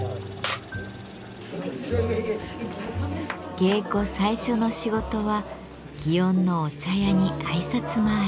芸妓最初の仕事は園のお茶屋に挨拶回り。